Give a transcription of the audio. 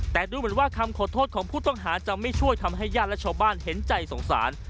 แต่ดูเหมือนว่าคำขอโทษของผู้ต้องหาจะไม่ช่วยทำให้ญาติและชาวบ้านเห็นใจสงสาร